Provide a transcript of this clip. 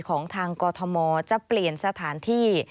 ของทางกอทมจะเปลี่ยนสถานที่